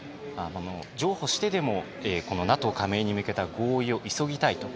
譲歩してでもＮＡＴＯ加盟に向けた合意を急ぎたいと。